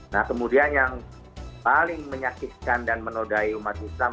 nah kemudian yang paling menyakitkan dan menodai umat islam